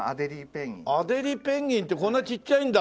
アデリーペンギンってこんなちっちゃいんだ。